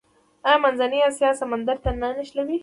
آیا منځنۍ اسیا سمندر ته نه نښلوي؟